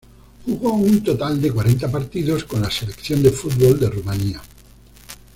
Jugó un total de cuarenta partidos con la selección de fútbol de Rumania.